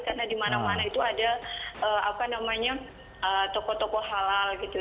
karena di mana mana itu ada apa namanya toko toko halal gitu